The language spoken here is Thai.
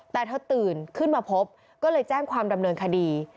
แต่เธอตื่นขึ้นมาพบก็เลยแจ้งความดำเนินคดี